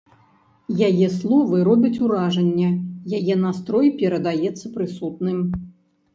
Яе словы робяць уражанне, яе настрой перадаецца прысутным.